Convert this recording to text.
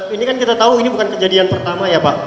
ini kan kita tahu ini bukan kejadian pertama ya pak